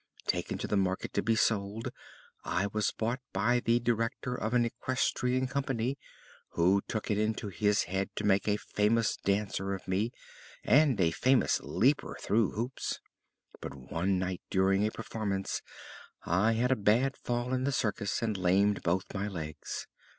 Taken to the market to be sold I was bought by the director of an equestrian company, who took it into his head to make a famous dancer of me, and a famous leaper through hoops. But one night during a performance I had a bad fall in the circus and lamed both my legs.